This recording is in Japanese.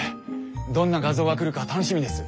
どんな画像が来るか楽しみです。